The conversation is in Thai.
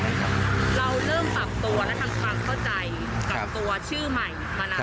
เราเริ่มปรับตัวและทำความเข้าใจกับตัวชื่อใหม่มาแล้ว